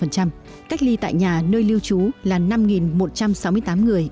cách ly tại nhà nơi lưu trú là năm một trăm sáu mươi tám người bốn mươi ba